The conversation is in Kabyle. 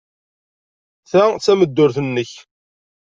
Ta d tameddurt-nnek.